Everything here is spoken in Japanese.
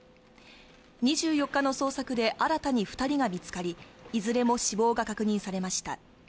２４日の捜索で新たに２人が見つかりいずれも死亡が確認されました。